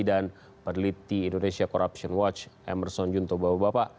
dan perliti indonesia corruption watch emerson junto bawabapa